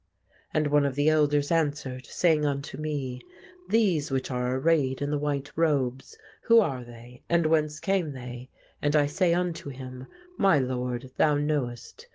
And one of the elders answered, saying unto me, These which are arrayed in the white robes, who are they, and whence came they? And I say unto him, My lord, thou knowest.